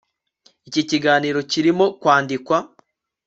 iki kiganiro kirimo kwandikwa